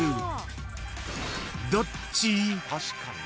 ［どっち？］